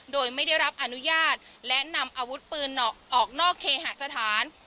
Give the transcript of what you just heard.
โดยไม่ได้รับอนุญาตและนำอาวุธปืนออกนอกเคหาสถาน